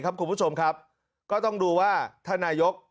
คุณผู้ชมครับก็ต้องดูว่าท่านนายก